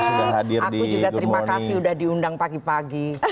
aku juga terima kasih sudah diundang pagi pagi